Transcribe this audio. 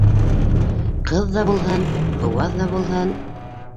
Ҡыҙ ҙа булһын - быуаҙ ҙа булһын...